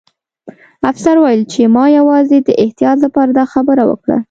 افسر وویل چې ما یوازې د احتیاط لپاره دا خبره وکړه